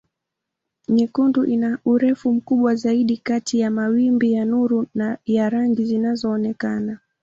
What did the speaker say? Nyekundu ina urefu mkubwa zaidi kati ya mawimbi ya nuru ya rangi zinazoonekana.